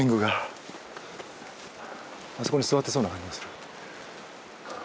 あそこに座ってそうな感じがする。